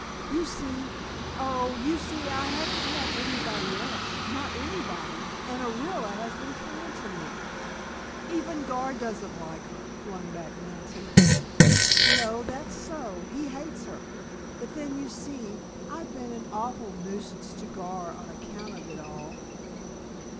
You see oh, you see I haven't had any body else; not anybody, and Orilla has been kind to me " "Even Gar doesn't like her," flung back Nancy. "No, that's so. He hates her. But then you see, I've been an awful nuisance to Gar on account of it all."